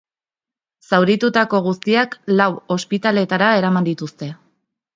Zauritutako guztiak lau ospitaletara eraman dituzte.